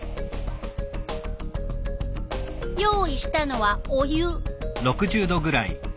用意したのはお湯。